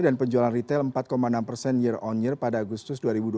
dan penjualan retail empat enam year on year pada agustus dua ribu dua puluh tiga